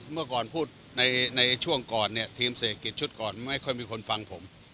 เมื่อก่อนพูดในช่วงก่อนเนี่ยทีมเศรษฐกิจชุดก่อนไม่ค่อยมีคนฟังผม